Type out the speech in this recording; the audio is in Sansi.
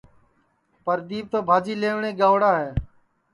پردیپ تو بھاجی لئوٹؔے گئیوڑا ہے